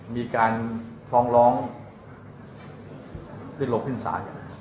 มีการฟ้องร้องขึ้นลงขึ้นศาล